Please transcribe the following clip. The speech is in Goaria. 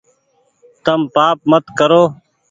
تم پآپ مت ڪرو